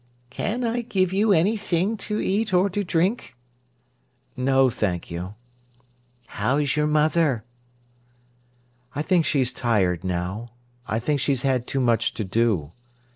"Can I give you anything to eat or to drink?" "No, thank you." "How's your mother?" "I think she's tired now. I think she's had too much to do.